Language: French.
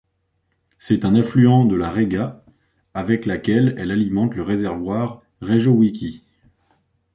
C'est un affluent de la Rega, avec laquelle elle alimente le réservoir Rejowickie.